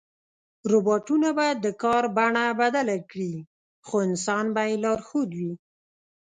روباټونه به د کار بڼه بدله کړي، خو انسان به یې لارښود وي.